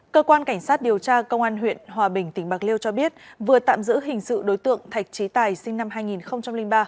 cơ quan cảnh sát điều tra công an huyện hòa bình tỉnh bạc liêu cho biết vừa tạm giữ hình sự đối tượng thạch trí tài sinh năm hai nghìn ba